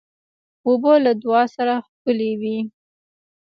اوبه له دعا سره ښکلي وي.